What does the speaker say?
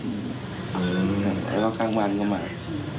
เรียกปั๊บแล้วครับภรรยาของเขาเรียกเข้าไป